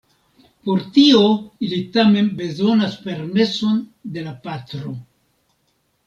Por tio ili tamen bezonas permeson de la patro.